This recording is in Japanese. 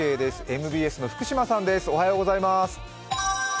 ＭＢＳの福島さん。